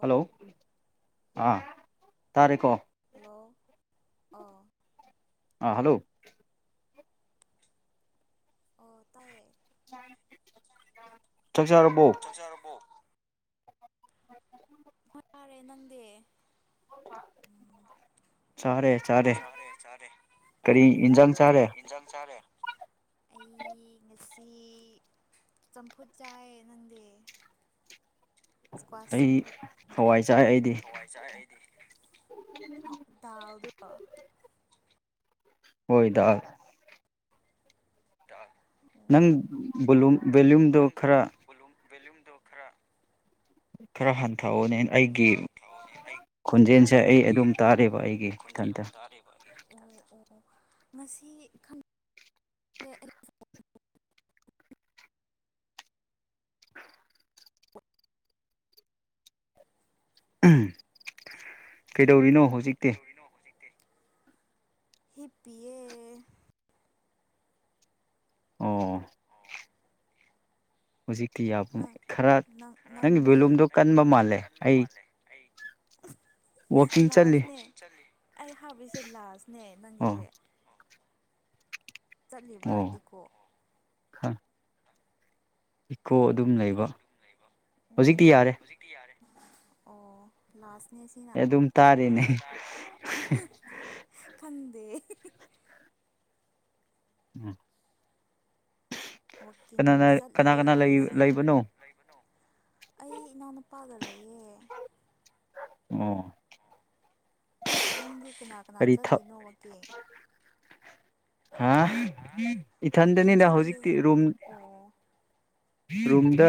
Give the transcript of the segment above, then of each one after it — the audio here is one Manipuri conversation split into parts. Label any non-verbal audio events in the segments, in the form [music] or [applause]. ꯍꯜꯂꯣ ꯑꯥ ꯇꯥꯔꯦꯀꯣ ꯍꯜꯂꯣ ꯑꯥ ꯑꯥ ꯍꯜꯂꯣ ꯑꯣ ꯇꯥꯏꯌꯦ ꯆꯥꯛꯆꯔꯕꯣ ꯆꯥꯛꯆꯔꯕꯣ ꯍꯣꯏ ꯌꯥꯔꯦ ꯅꯪꯗꯤ [inaudible] [inaudible] ꯆꯔꯦ ꯆꯔꯦ ꯀꯔꯤ ꯏꯟꯖꯟ ꯆꯔꯦ ꯑꯩ ꯉꯁꯤ ꯆꯝꯐꯨꯠ ꯆꯥꯏ ꯅꯪꯗꯤ ꯏꯁꯀ꯭ꯋꯥ ꯁꯝꯄꯨꯠ ꯑꯩ ꯥꯏ ꯑꯩꯗꯤ ꯍꯣꯏ ꯗꯥꯜ ꯗꯥꯜ ꯅꯪ ꯕꯦꯂꯌꯨꯝꯗꯣ ꯈꯔ ꯚꯦꯂꯨꯝꯗꯣ ꯈꯔ ꯈꯔ ꯍꯟꯊꯑꯣꯅꯦ ꯑꯩꯒꯤ ꯈꯣꯟꯖꯦꯜꯁꯦ ꯑꯩ ꯑꯗꯨꯝ ꯇꯥꯔꯦꯕ ꯑꯩꯒꯤ ꯏꯊꯟꯇ ꯁꯔꯦꯕꯒꯤ ꯑꯣ ꯑꯣ ꯃꯁꯤ ꯀꯩꯗꯧꯔꯤꯅꯣ ꯍꯧꯖꯤꯛꯇꯤ ꯀꯅꯣ ꯍꯧꯖꯤꯛꯇꯤ ꯍꯤꯞꯄꯑ ꯑꯣ ꯍꯧꯖꯤꯛꯇꯤ ꯌꯥꯕ ꯈꯔ ꯅꯪꯒꯤ ꯚꯣꯂꯨꯝꯗꯣ ꯀꯟꯕ ꯃꯥꯜꯂꯦ ꯑꯩ [unintelligible] ꯂꯥꯁꯅꯦ ꯑꯩ ꯍꯥꯞꯄꯤꯏꯁꯦ ꯂꯥꯁꯅꯦ ꯅꯪꯒꯤꯁꯦ ꯆꯠꯂꯤꯕ꯭ꯔꯥ ꯏꯀꯣ ꯏꯀꯣ ꯑꯗꯨꯝ ꯂꯩꯕ ꯍꯧꯖꯤꯛꯇꯤ ꯌꯥꯔꯦ ꯌꯥꯔꯦ ꯑꯣ ꯂꯥꯁꯅꯦ ꯁꯤꯅ ꯈꯪꯗꯦ ꯎꯝ ꯋꯥꯋꯀꯤꯡ ꯆꯠꯂ ꯍꯥꯏꯁ ꯑꯩ ꯏꯅꯥꯎꯅꯨꯄꯥꯒ ꯂꯩꯌꯦ ꯎꯝ ꯅꯪꯗꯤ ꯀꯅꯥ ꯀꯅꯥ ꯆꯂꯤꯅꯣ ꯀꯦ ꯍꯥ ꯏꯊꯟꯇꯅꯤꯅ ꯍꯧꯖꯤꯛꯇꯤ ꯔꯨꯝ ꯔꯨꯝꯗ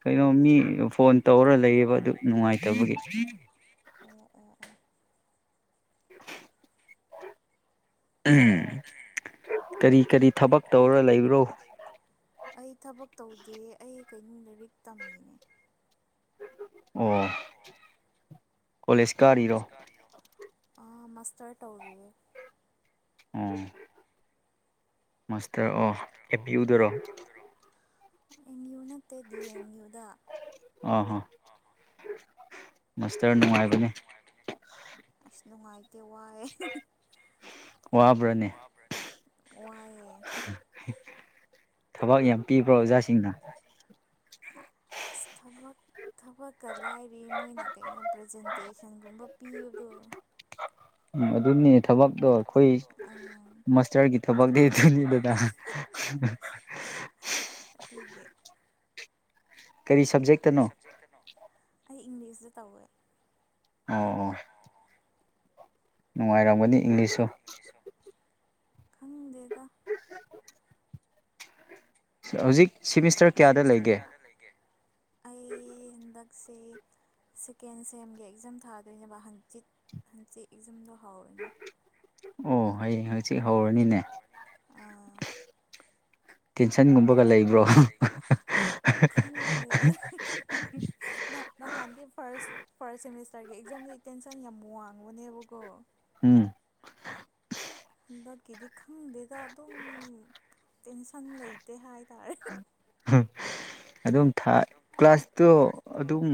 ꯀꯩꯅꯣ ꯃꯤ ꯐꯣꯟ ꯇꯧꯔ ꯂꯩꯌꯦꯕ ꯑꯗꯨ ꯅꯨꯡꯉꯥꯏꯇꯕꯒꯤ [unintelligible] ꯎꯝ ꯎ ꯎꯥ ꯎꯝ ꯀꯔꯤ ꯀꯔꯤ ꯊꯕꯛ ꯇꯧꯔ ꯂꯩꯕ꯭ꯔꯣ ꯂꯩꯩꯕ꯭ꯔꯣ ꯑꯩ ꯊꯕꯛ ꯇꯧꯗꯦ ꯑꯩ ꯀꯩꯅꯅꯨꯡ ꯂꯥꯏꯔꯤꯛ ꯇꯝꯃꯤꯅꯦ ꯑ ꯃꯥꯁꯇꯔ ꯇꯧꯔꯤꯌꯦ ꯑꯣ ꯃꯥꯁꯇꯔ ꯑꯣ ꯑꯦꯐ ꯄ ꯎꯗꯔꯣ ꯑꯦꯝ ꯌꯨ ꯅꯠꯇꯦꯗꯤ ꯑꯦꯝ ꯌꯨꯗ ꯑ ꯍ ꯃꯁꯇꯔ ꯅꯨꯡꯉꯥꯏ ꯑꯁ ꯅꯨꯡꯉꯥꯏ ꯋꯥꯑ ꯋꯥꯑ ꯊꯕꯛ ꯌꯥꯝ ꯊꯕꯛ ꯌꯥꯝ ꯄꯤꯕ꯭ꯔꯥ ꯑꯣꯖꯥꯁꯤꯡꯅ ꯊꯕꯛꯀ ꯂꯥꯏꯔꯤ ꯃꯣꯏꯅ ꯀꯩꯅꯣ ꯄ꯭ꯔꯖꯦꯟꯇꯦꯁꯟꯒꯨꯝꯕ ꯄꯤꯕꯗꯣ ꯎꯝ ꯑꯗꯨꯅꯤ ꯊꯕꯛꯇꯣ ꯑꯩꯈꯣꯏ ꯃꯥꯁꯇꯔꯒꯤ ꯊꯕꯛꯇꯤ ꯑꯗꯨꯣꯏꯅꯤꯗꯅ ꯑꯗꯨꯗꯤ ꯀꯩ ꯁꯞꯖ‌ꯦꯛꯇꯅꯣ ꯑꯩ ꯏꯪꯂꯤꯁꯇ ꯇꯧꯋꯦ ꯑꯣ ꯑꯣ ꯅꯨꯡꯉꯥꯏꯔꯝꯒꯅꯤ ꯏꯪꯂꯤꯁꯁꯨ ꯁꯨ ꯈꯪꯗꯦꯗ [unintelligible] ꯍꯧꯖꯤꯛ ꯍꯧꯖꯤꯛ ꯁꯤꯃꯤꯁꯇꯔ ꯀꯌꯥꯗ ꯂꯩꯒꯦ ꯑꯩ ꯍꯟꯗꯛꯁꯦ ꯁꯦꯀꯦꯟ ꯁꯦꯝꯒꯤ ꯑꯦꯛꯖꯥꯝ ꯊꯥꯗꯣꯏꯅ‌ꯦꯕ ꯍꯪꯆꯤꯠ ꯍꯪꯆꯤꯠ ꯑꯦꯛꯖꯝꯗꯣ ꯍꯥꯎꯔꯅꯦ ꯑꯣ ꯍꯌ‌ꯦꯡ ꯍꯪꯆꯤꯠ ꯍꯧꯔꯅꯤꯅꯦ ꯇꯦꯟꯁꯟꯒꯨꯝꯕꯒ ꯂꯩꯕ꯭ꯔꯣ ꯈ‌ꯪꯗ‌ꯦ ꯅꯍ ꯅꯍꯥꯟꯗꯤ ꯐꯥꯔꯁ ꯐꯥꯔꯁ ꯁꯦꯃꯤꯁꯇꯔꯒꯤ ꯑꯦꯛꯖꯥꯝꯗꯤ ꯇꯦꯟꯁꯟ ꯌꯥꯝ ꯋꯥꯡꯕꯅꯦꯕꯀꯣ ꯎꯝ ꯍꯟꯗꯛꯀꯤꯗꯤ ꯈꯪꯗꯦꯗ ꯑꯗꯨꯝ ꯇꯦꯟꯁꯟ ꯂꯩꯇꯦ ꯍꯥꯏꯇꯥꯔꯦ ꯑꯗꯨꯝ ꯊꯥꯏ ꯀ꯭ꯂꯥꯁꯇꯣ ꯑꯗꯨꯝ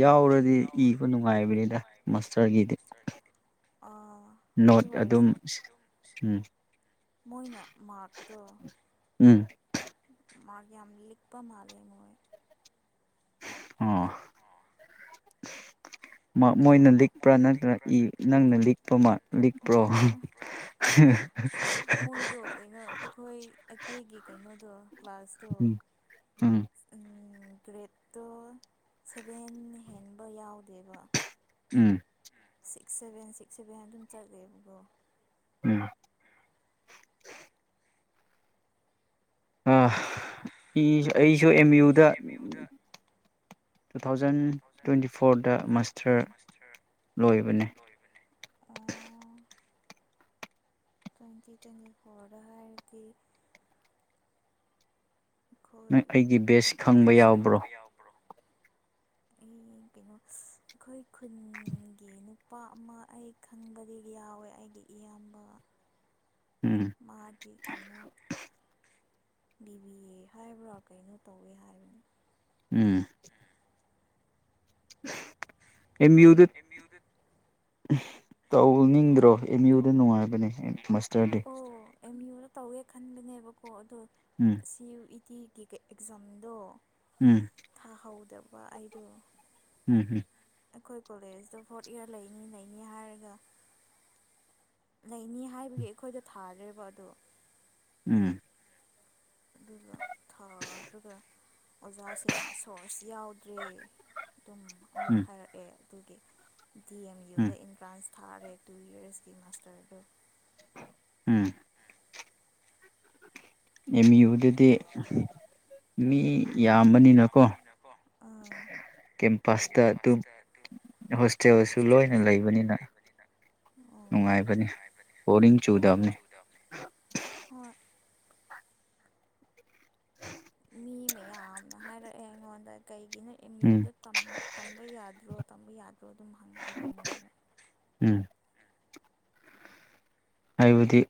ꯌꯥꯎꯔꯗꯤ ꯏꯕ ꯅꯨꯡꯉꯥꯏꯕꯅꯤꯗ ꯃꯥꯁꯇꯔꯒꯤꯗꯤ ꯑꯥ ꯑꯗꯨ ꯑꯣꯏꯔꯁꯨ ꯃꯣꯏꯅ ꯃꯥꯔ꯭ꯛꯇꯣ ꯎꯝ ꯎꯝ ꯃꯥꯛ ꯌꯥꯝ ꯂꯤꯛꯄ ꯃꯥꯜꯂ‌ꯦ ꯃ‌ꯣꯏ ꯑꯣ ꯃꯥꯛ ꯃꯣꯏꯅ ꯂꯤꯛꯄ꯭ꯔꯥ ꯅꯠꯇꯔ ꯏ ꯅꯪꯅ ꯂꯤꯛꯄ ꯃꯥ ꯂꯤꯛꯄ꯭ꯔꯣ ꯃꯣꯏꯗꯣ ꯀꯩꯅꯣ ꯑꯩꯈꯣꯏ ꯑꯩꯈꯣꯏꯒꯤ ꯀꯩꯅꯣꯗꯣ ꯀ꯭ꯂꯥꯁꯇꯣ ꯎꯝ ꯒ꯭ꯔꯦꯠꯇꯣ ꯁꯚꯦꯟ ꯍꯦꯟꯕ ꯌꯥꯎꯗꯦꯕ ꯎꯝ ꯁꯤꯛꯁ ꯁꯚꯦꯟ ꯁꯤꯛꯁ ꯁꯦꯚꯦꯟ ꯑꯗꯨꯝ ꯆꯠꯂꯦꯕꯀꯣ ꯎꯝ ꯑ ꯏ ꯑꯩꯁꯨ ꯑꯦꯝ ꯌꯨꯗ ꯇꯨ ꯊꯥꯎꯖꯟ ꯇ꯭ꯋꯦꯟꯇꯤ ꯐꯣꯔꯗ ꯃꯥꯁꯇꯔ ꯂꯣꯏꯕꯅꯦ ꯑ ꯇ꯭ꯋꯦꯟꯇꯤ ꯇ꯭ꯋꯦꯟꯇꯤ ꯐꯣꯔꯗ ꯍꯥꯏꯔꯗꯤ ꯑꯩꯈꯣꯏ ꯑꯩꯒꯤ ꯕꯦꯁ ꯈꯪꯕ ꯌꯥꯎꯕ꯭ꯔꯣ ꯑꯩ ꯀꯩꯅꯣ ꯑꯩꯈꯣꯏ ꯈꯨꯟꯒꯤ ꯅꯨꯄꯥ ꯑꯃ ꯑꯩ ꯈꯪꯕꯗꯤ ꯌꯥꯎꯋꯦ ꯑꯩꯒꯤ ꯏꯌꯥꯝꯕ ꯃꯥꯗꯤ ꯀꯩꯅꯣ ꯕꯤ ꯕꯤ ꯍꯥꯏꯕ꯭ꯔꯥ ꯀꯩꯅꯣ ꯇꯧꯋꯦ ꯍꯥꯏꯕꯅꯤ ꯎꯝ ꯑꯦꯝ ꯌꯨꯗ ꯇꯧꯅꯤꯡꯗ꯭ꯔꯣ ꯑꯦꯝ ꯌꯨꯗ ꯅꯨꯡꯉꯥꯏꯕꯅꯦ ꯃꯥꯁꯇꯔꯗꯤ ꯑꯣ ꯑꯦꯝ ꯌꯨꯗ ꯇꯧꯋꯦ ꯈꯟꯕꯅꯦꯕꯀꯣ ꯑꯗꯣ ꯎꯝ ꯁꯤ ꯌꯨ ꯏ ꯇꯤꯒꯤ ꯑꯦꯛꯖꯥꯝꯗꯣ ꯎꯝ ꯊꯥꯍꯧꯗꯕ ꯑꯩꯗꯣ ꯎꯝ ꯍꯨꯝ ꯑꯩꯈꯣꯏ ꯀꯣꯂꯦꯖꯇꯣ ꯐꯣꯔꯠ ꯏꯌꯥꯔ ꯂꯩꯅꯤ ꯂꯩꯅꯤ ꯍꯥꯏꯔꯒ ꯂꯩꯅꯤ ꯍꯥꯏꯕꯒꯤ ꯑꯩꯈꯣꯏꯗ‌ꯣ ꯊꯥꯗ꯭ꯔꯦꯕ ꯑꯗꯣ ꯎꯝ ꯑꯗꯨꯒ ꯊꯥꯗ꯭ꯔꯒ ꯑꯣꯖꯥꯁꯤꯡꯅ ꯁꯣꯔꯁ ꯌꯥꯎꯗ꯭ꯔꯦ ꯑꯗꯨꯝ ꯑꯃꯨꯛ ꯍꯥꯏꯔꯛꯑꯦ ꯑꯗꯨꯒꯤ ꯗꯤ ꯑꯦꯝ ꯌꯨꯗ ꯑꯦꯟꯇ꯭ꯔꯥꯟꯁ ꯊꯥꯔꯦ ꯇꯨ ꯌꯔꯁꯀꯤ ꯃꯥꯁꯇꯔꯗꯣ ꯎꯝ ꯑꯦꯝ ꯌꯨꯗꯗꯤ ꯃꯤ ꯃꯤ ꯌꯥꯝꯕꯅꯤꯅꯀꯣ ꯑꯥ ꯀꯦꯝꯄꯁꯇ ꯑꯗꯨꯝ ꯍꯣꯁꯇꯦꯜꯁꯨ ꯂꯣꯏꯅ ꯂꯩꯕꯅꯤꯅ ꯑꯣ ꯅꯨꯡꯉꯥꯏꯕꯅꯤ ꯕꯣꯔꯤꯡ ꯆꯨꯗꯕꯅꯤ ꯍꯣꯏ ꯃꯤ ꯃꯌꯥꯝꯅ ꯍꯥꯏꯔꯛꯑꯦ ꯑꯩꯉꯣꯟꯗ ꯀꯩꯒꯤꯅ ꯑꯦꯝ ꯌꯨꯗ ꯇꯝ ꯇꯝꯕ ꯌꯥꯗ꯭ꯔꯣ ꯇꯝꯕ ꯌꯥꯗ꯭ꯔꯣ ꯑꯗꯨꯝ ꯍꯪꯉꯛꯑꯦꯕ ꯃꯣꯏꯗꯣ ꯎꯝ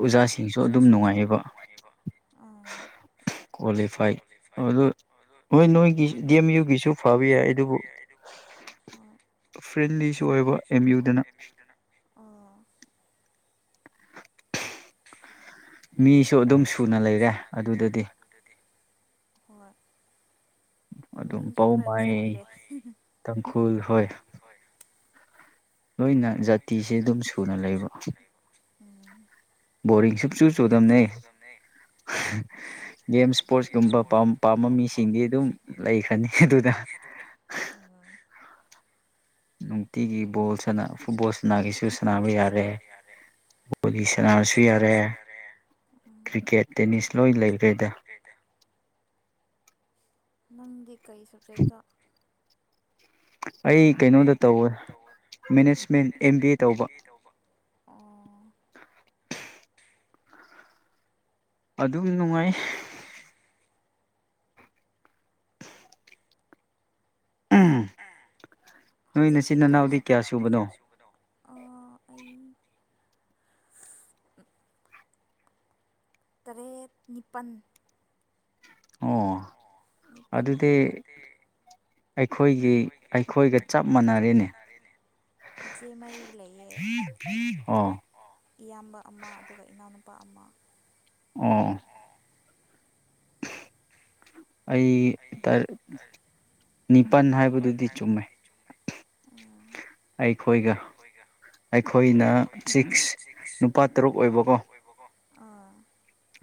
ꯍꯥꯏꯕꯗꯤ ꯑꯣꯖꯥꯁꯤꯡꯁꯨ ꯑꯗꯨꯝ ꯅꯨꯡꯉꯥꯏꯌꯦꯕ ꯑꯥ ꯀ꯭ꯋꯥꯂꯤꯐꯥꯏ ꯍꯣꯏ ꯑꯗꯨ ꯍꯣꯏ ꯅꯣꯏꯒꯤ ꯗꯤ ꯑꯦꯝ ꯌꯨꯒꯤꯁꯨ ꯐꯕ ꯌꯥꯏ ꯑꯗꯨꯕꯨ ꯍꯣꯏ ꯐ꯭ꯔꯦꯟꯂꯤꯁꯨ ꯑꯣꯏꯕ ꯑꯦꯝ ꯌꯨꯗꯅ ꯑꯣ ꯃꯤꯁ ꯃꯤꯁꯨ ꯑꯗꯨꯝ ꯁꯨꯅ ꯂꯩꯔꯦ ꯑꯗꯨꯗꯗꯤ ꯍꯣꯏ ꯃꯤꯡꯁꯨ ꯈꯔ ꯆꯠꯂꯦ ꯍ ꯍ ꯇꯥꯡꯈꯨꯜ ꯍꯣꯏ ꯂꯣꯏꯅ ꯖꯥꯇꯤꯁꯦ ꯑꯗꯨꯝ ꯁꯨꯅ ꯂꯩꯕ ꯕꯣꯔꯤꯡ ꯁꯨꯡꯆꯨ ꯆꯨꯗꯝꯅꯦ ꯒꯦꯝꯁ ꯏꯁꯄꯣꯔꯠꯁꯀꯨꯝꯕ ꯄꯥꯝ ꯄꯥꯝꯕ ꯃꯤꯁꯤꯡꯗꯤ ꯑꯗꯨꯝ ꯂꯩꯈ꯭ꯔꯅꯤ ꯑꯗꯨꯗ ꯅꯨꯡꯇꯤꯒꯤ ꯕꯣꯜ ꯁꯟꯅ ꯐꯨꯠꯕꯣꯜ ꯁꯟꯅꯒꯦꯁꯨ ꯁꯥꯟꯅꯕ ꯌꯥꯔꯦ ꯕꯣꯂꯤ ꯁꯅꯥꯔꯁꯨ ꯌꯥꯔꯦ ꯀ꯭ꯔꯤꯀꯦꯠ ꯇꯦꯅꯤꯁ ꯂꯣꯏ ꯂꯩꯈ꯭ꯔꯦꯗ ꯅꯪꯗꯤ ꯀꯩ ꯁꯕꯖꯦꯛꯇ ꯑꯩ ꯀꯩꯅꯣ ꯑꯩ ꯀꯩꯅꯣꯗ ꯇꯧꯋꯦ ꯃꯦꯅꯦꯖꯃꯦꯟ ꯑꯦꯝ ꯕꯤ ꯑꯦ ꯇꯧꯕ ꯑꯗꯨꯝ ꯅꯨꯡꯉꯥꯏ ꯍꯧꯖꯤꯛꯇꯤ ꯀꯩ ꯊꯕꯛ ꯑꯥ ꯑꯩ ꯇꯔꯦꯠ ꯅꯤꯄꯥꯜ ꯑꯣ ꯅꯤꯄꯥꯟ ꯑꯗꯨꯗꯤ ꯑꯩꯈꯣꯏꯒꯤ ꯑꯩꯈꯣꯏꯒ ꯆꯞ ꯃꯥꯟꯅꯔꯦꯅꯦ ꯏꯆꯦ ꯃꯔꯤ ꯂꯩꯌꯦ ꯑꯣ ꯏꯌꯥꯝꯕ ꯑꯃ ꯑꯗꯨꯒ ꯏꯅꯥꯎꯅꯨꯄꯥ ꯑꯃ ꯑꯣ ꯑꯣ ꯑꯩ ꯇꯔ ꯅꯤꯄꯜ ꯍꯥꯏꯕꯗꯨꯗꯤ ꯆꯨꯝꯃꯦ ꯑꯩꯈꯣꯏꯒ ꯑꯩꯈꯣꯏꯅ ꯁꯤꯛꯁ ꯅꯨꯄꯥ ꯇꯔꯨꯛ ꯑꯣꯏꯕꯀꯣ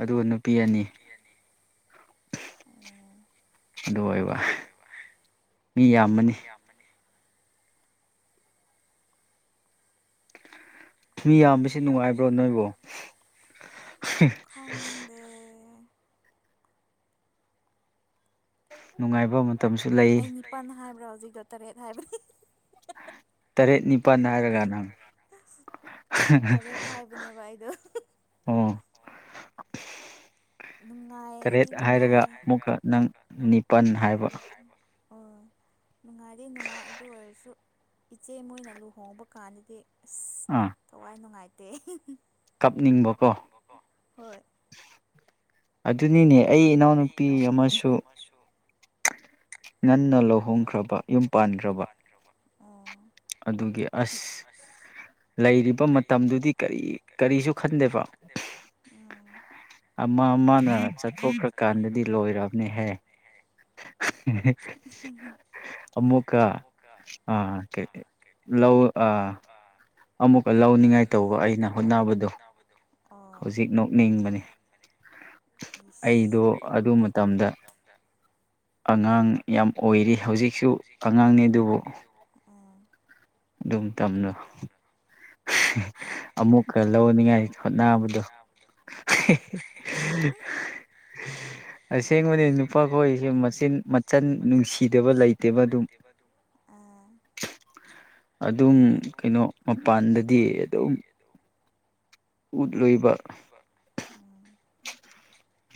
ꯑꯗꯨꯒ ꯅꯨꯄꯤ ꯑꯅꯤ [unintelligible] ꯑꯗꯨ ꯑꯣꯏꯕ ꯃꯤ ꯌꯥꯝꯕꯅꯤ ꯃꯅꯤ ꯃꯤ ꯌꯥꯝꯕꯁꯤ ꯅꯨꯡꯉꯥꯏꯕ꯭ꯔꯣ ꯅꯣꯏꯕꯨ ꯈꯪꯗꯦ ꯅꯨꯡꯉꯥꯏ ꯅꯨꯡꯉꯥꯏꯕ ꯃꯇꯝꯁꯨ ꯑꯩ ꯅꯤꯄꯥꯜ ꯍꯥꯏꯕ꯭ꯔꯣ ꯍꯧꯖꯤꯛꯇꯣ ꯇꯔꯦꯠ ꯍꯥꯏꯕꯅꯤ ꯍꯤ ꯍꯤ ꯍꯤ ꯍꯥ ꯍꯥ ꯍꯥ ꯇꯔꯦꯠ ꯅꯤꯄꯥꯟ ꯍꯥꯏꯔꯒ ꯅꯪ ꯇꯔꯦꯠ ꯍꯥꯏꯕꯅꯦꯕ ꯑꯩꯗꯣ ꯍꯍ ꯍ ꯑꯣ ꯅꯨꯡꯉꯥꯏꯗꯤ ꯅꯨꯡꯉꯥꯏ ꯎꯝ ꯑꯣ ꯅꯨꯡꯉꯥꯏꯗꯤ ꯅꯨꯡꯉꯥꯏ ꯑꯗꯨ ꯑꯣꯏꯔꯁꯨ ꯏꯆꯦ ꯃꯣꯏꯅ ꯂꯨꯍꯣꯡꯕ ꯀꯥꯟꯗꯗꯤ ꯑꯥ ꯊꯋꯥꯏ ꯅꯨꯡꯉꯥꯏꯇꯦ ꯍꯣꯏ ꯑꯗꯨꯅꯤꯅꯦ ꯑꯩ ꯏꯅꯥꯎꯅꯨꯄꯤ ꯑꯃꯁꯨ ꯉꯟꯅ ꯂꯨꯍꯣꯡꯈ꯭ꯔꯕ ꯌꯨꯝ ꯄꯥꯟꯈ꯭ꯔꯕ ꯑꯥ ꯑꯗꯨꯒꯤ ꯑꯁ ꯂꯩꯔꯤꯕ ꯃꯇꯝꯗꯨꯗꯤ ꯀꯔꯤ ꯀꯔꯤꯁꯨ ꯈꯟꯗꯦꯕ ꯑꯃ ꯑꯃꯅ ꯆꯠꯊꯣꯛꯈ꯭ꯔꯀꯥꯟꯗꯗꯤ ꯂꯣꯏꯑꯔꯕꯅꯤꯍ ꯑꯃꯨꯀ ꯑ ꯀ ꯂꯧ ꯑꯃꯨꯛꯀ ꯂꯧꯅꯤꯡꯉꯥꯏ ꯇꯧꯕ ꯑꯩꯅ ꯍꯣꯠꯅꯕꯗꯣ ꯁꯤ ꯅꯣꯛꯕꯅꯤ ꯑꯩꯗꯣ ꯑꯗꯨ ꯃꯇꯝꯗ ꯑꯉꯥꯡ ꯌꯥꯝ ꯀꯣꯏꯔꯤ ꯍꯧꯖꯤꯛꯁꯨ ꯑꯉꯥꯡꯅꯤ ꯑꯗꯨꯕꯨ ꯑꯗꯨꯝ ꯇꯝꯅ ꯑꯃꯨꯛ ꯈꯔ ꯂꯧꯅꯤꯡꯉꯥꯏ ꯍꯣꯠꯅꯕꯗꯣ ꯎ [unintelligible] ꯑꯁꯦꯡꯕꯅꯤ ꯅꯨꯄꯥ ꯈꯣꯏꯁꯦ ꯃꯆꯤꯟ ꯃꯆꯟ ꯅꯨꯡꯁꯤꯗꯕ ꯂꯩꯇꯦꯕ ꯑꯗꯨꯝ ꯑ ꯑꯗꯨꯝ ꯀꯩꯅꯣ ꯃꯄꯥꯟꯗꯗꯤ ꯑꯗꯨꯝ ꯎꯠꯂꯣꯏꯕ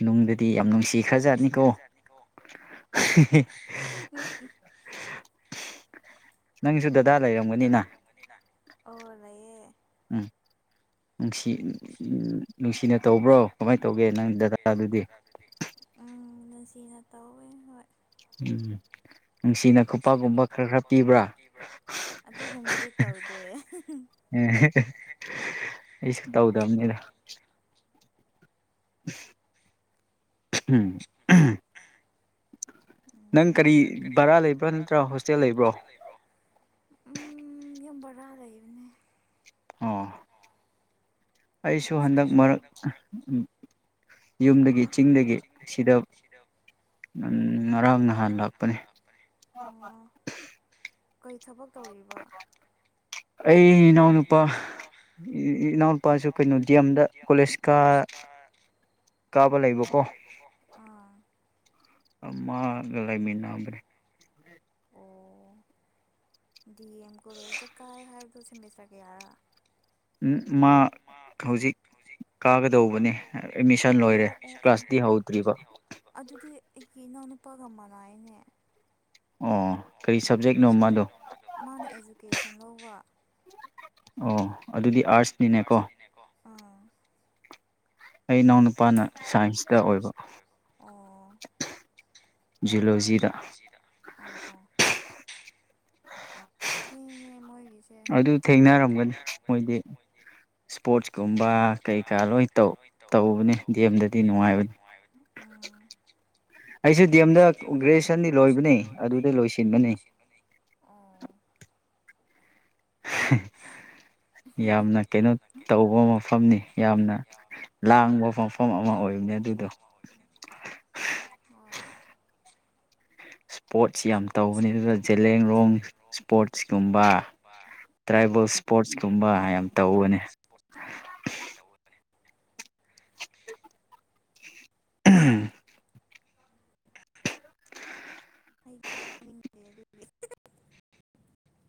ꯅꯨꯡꯗꯗꯤ ꯌꯥꯝ ꯅꯨꯡꯁꯤ ꯈꯔꯖꯥꯠꯅꯤꯀꯣ ꯎꯀꯤ ꯅꯪꯁꯨꯗ ꯅꯪꯒꯤꯁꯨ ꯗꯗꯥ ꯂꯩꯔꯝꯒꯅꯤꯅ ꯑꯣ ꯂꯩꯌꯦ ꯎꯝ ꯅꯨꯡꯁꯤ ꯅꯨꯡꯁꯤꯅ ꯇꯧꯕ꯭ꯔꯣ ꯀꯃꯥꯏꯅ ꯇꯧꯒꯦ ꯅꯪ ꯗꯗꯥꯗꯨꯗꯤ ꯎꯝ ꯅꯨꯡꯁꯤꯅ ꯇꯧꯋꯦ ꯍꯣꯏ ꯎꯝ ꯅꯨꯡꯁꯤꯅ ꯈꯨꯄꯥꯛꯒꯨꯝꯕ ꯈꯔ ꯈꯔ ꯄꯤꯕ꯭ꯔꯥ ꯑꯦ ꯑꯩꯁꯨ ꯇꯧꯗꯕꯅꯤꯗ ꯎꯝ ꯅꯪ ꯀꯔꯤ ꯚꯔꯥ ꯂꯩꯕ꯭ꯔꯥ ꯅꯠꯇ꯭ꯔꯥ ꯍꯣꯁꯇꯦꯜ ꯂꯩꯕ꯭ꯔꯣ ꯎꯝ ꯌꯥꯝ ꯕꯔꯥ ꯂꯩꯕꯅꯦ ꯑꯣ ꯑꯩꯁꯨ ꯍꯟꯗꯛ ꯃꯔꯛ ꯌꯨꯝꯗꯒꯤ ꯆꯤꯡꯗꯒꯤ ꯑꯁꯤꯗ ꯎꯝ ꯉꯔꯥꯡ ꯅꯍꯥꯟ ꯂꯥꯛꯄꯅꯦ ꯀꯩ ꯊꯕꯛ ꯇꯧꯔꯤꯕ ꯑꯩ ꯏꯅꯥꯎꯅꯨꯄꯥ ꯏꯅꯥꯎꯅꯄꯥꯁꯨ ꯀꯩꯅꯣ ꯗꯤ ꯑꯦꯝꯗ ꯀꯣꯂꯦꯖ ꯄꯂꯤꯁꯀꯥ ꯀꯕ ꯂꯕ ꯀꯣ ꯑꯥ ꯃꯥꯒ ꯂꯩꯃꯤꯟꯅꯕ꯭ꯔꯦ ꯗꯤ ꯑꯦꯝ ꯀꯣꯂꯦꯖꯇ ꯀꯥꯏ ꯍꯥꯏꯕꯗꯨꯣ ꯁꯦꯝꯃꯤꯁꯒꯦꯌꯥꯔꯥ ꯎꯝ ꯃꯥ ꯃꯥ ꯍꯧꯖꯤꯛ ꯀꯥꯒꯗꯧꯕꯅꯤ ꯑꯦꯠꯃꯤꯁꯟ ꯂꯣꯏꯔꯦ ꯀ꯭ꯂꯥꯁꯇꯗꯤ ꯍꯧꯗ꯭ꯔꯤꯕ ꯑꯗꯨꯗꯤ ꯑꯩꯒꯤ ꯏꯅꯥꯎꯅꯨꯄꯥꯒ ꯃꯅ ꯍꯥꯏꯅꯦ ꯑꯣ ꯀꯔꯤ ꯁꯕꯖꯦꯛꯅꯣ ꯃꯥꯗꯣ ꯃꯥꯅ ꯏꯖꯨꯀꯦꯁꯟ ꯂꯧꯕ ꯑꯣ ꯑꯗꯨꯗꯤ ꯑꯥꯔꯠꯁꯇꯤꯅꯦꯀꯣ ꯑꯥ ꯑꯩ ꯏꯅꯥꯎ ꯅꯨꯨꯄꯥꯅ ꯁꯥꯏꯟꯁꯇ ꯑꯣꯏꯕ ꯂꯣꯏꯁꯤꯗ ꯑꯣ ꯑꯣ [inaudible] ꯊꯦꯡꯉꯦ ꯃꯣꯏꯒꯤꯁꯦ ꯑꯗꯨꯝ ꯊꯦꯡꯅꯔꯝꯒꯅꯤ ꯃꯣꯏꯗꯤ ꯏꯁꯄꯣꯔꯠꯁꯀꯨꯝꯕ ꯀꯩꯀꯥ ꯂꯣꯏ ꯇꯧꯕꯅꯦ ꯗꯤꯑꯦꯝꯗꯗꯤ ꯅꯨꯡꯉꯥꯏꯕ ꯑꯩꯁꯨꯗꯤ ꯑꯦꯝꯗ ꯒ꯭ꯔꯦꯖꯨꯦꯁꯟꯗꯤ ꯂꯣꯏꯕꯅꯦ ꯑꯗꯨꯗ ꯂꯣꯏꯁꯤꯟꯕꯅꯤ [inaudible] ꯌꯥꯝꯅ ꯀꯩꯅꯣ ꯇꯧꯕ ꯃꯐꯝꯅꯤ ꯌꯥꯝꯅ ꯂꯥꯡꯕ ꯃꯐꯝ ꯂꯥꯡꯕ ꯃꯐꯝ ꯑꯃ ꯑꯣꯏꯕꯅꯤ [unintelligible] ꯍꯣꯢ ꯏꯁꯄꯣꯠꯁꯤ ꯌꯥꯝ ꯇꯧꯕꯅꯤ ꯑꯗꯨꯗ ꯖꯦꯂꯔꯣꯡ ꯏꯁꯄꯣꯔꯠꯁꯀꯨꯝꯕ ꯇ꯭ꯔꯥꯏꯕꯦꯜ ꯏꯁꯄꯣꯔꯠꯁ ꯀꯨꯝꯕ ꯌꯥꯝ ꯇꯧꯕꯅꯤ ꯎꯝ [unintelligible] ꯍꯩꯇꯦ